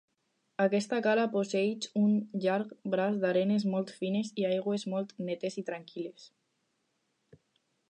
Aquesta cala posseeix un llarg braç d'arenes molt fines i aigües molt netes i tranquil·les.